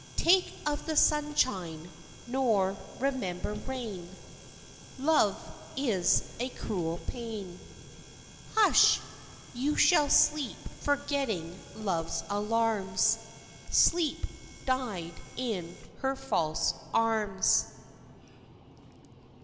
Take of the sunshine, nor remember rain ("Love is a cruel pain") Hush! you shall sleep forgetting love's alarms ("Sleep died in her false arms").